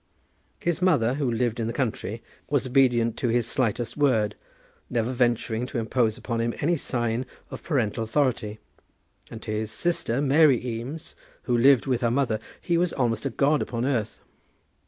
His mother, who lived in the country, was obedient to his slightest word, never venturing to impose upon him any sign of parental authority; and to his sister, Mary Eames, who lived with her mother, he was almost a god upon earth.